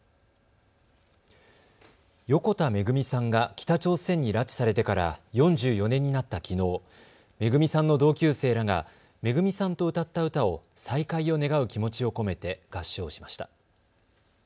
横田めぐみさんが北朝鮮に拉致されてから４４年になったきのう、めぐみさんの同級生らがめぐみさんと歌った歌を再会を願う気持ちを込めて合唱しました。